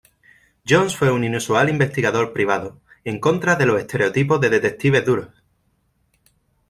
Jones fue un inusual investigador privado, en contra de los estereotipos de detectives duros.